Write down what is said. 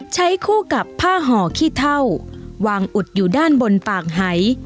ใช้คู่กับผ้าห่อขี้เท่าวางอุดอยู่ด้านบนปากหาย